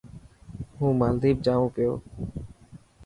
هون مالديپ جائون پيو.